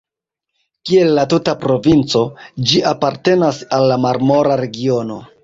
Kiel la tuta provinco, ĝi apartenas al la Marmora regiono.